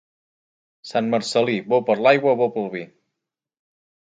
Sant Marcel·lí, bo per l'aigua, bo pel vi.